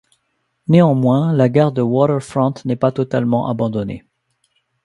Néanmoins, la Gare de Waterfront n'est pas totalement abandonnée.